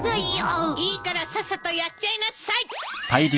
いいからさっさとやっちゃいなさい！